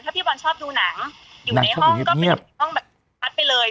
พี่บอลชอบดูหนังอยู่ในห้องก็เป็นห้องแบบพัดไปเลย